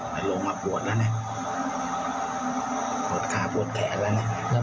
เมื่อโผล่ขาโผล่แข็งเลย